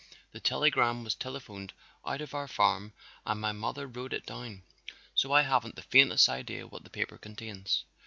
The telegram was telephoned out to our farm and my mother wrote it down, so I haven't the faintest idea what the paper contains."